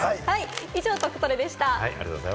以上、トクトレでした。